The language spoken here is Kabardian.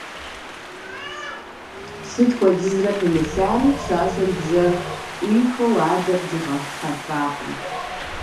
Сыт хуэдизрэ пымылъами, пщащэм бжэр Ӏуихыу адэр дигъэхьэфакъым.